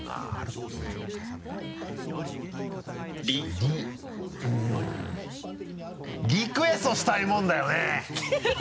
「リクエストしたいものだよね！」